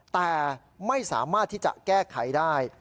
แต่ไม่สามารถที่จะแก้ไขได้